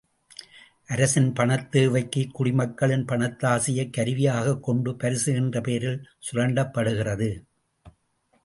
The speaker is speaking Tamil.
அரசின் பணத்தேவைக்குக் குடிமக்களின் பணத்தாசையைக் கருவியாகக் கொண்டு பரிசு என்ற பெயரில் சுரண்டப்படுகிறது.